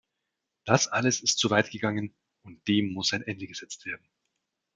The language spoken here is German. Das alles ist zu weit gegangen und dem muss ein Ende gesetzt werden.